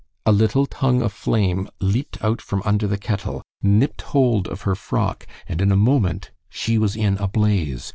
A little tongue of flame leaped out from under the kettle, nipped hold of her frock, and in a moment she was in a blaze.